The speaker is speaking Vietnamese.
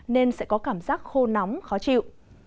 nên sẽ có cảm giác khô nóng khó chịu